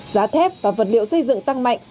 giá thép và vật liệu xây dựng tăng mạnh